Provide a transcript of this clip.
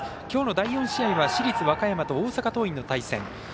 きょうの第４試合は市立和歌山と大阪桐蔭の対戦。